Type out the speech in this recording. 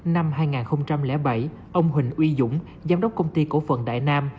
năm hai nghìn bảy ông huỳnh uy dũng giám đốc công ty cổ phần đại nam